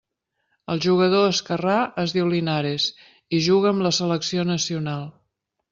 El jugador esquerrà es diu Linares i juga amb la selecció nacional.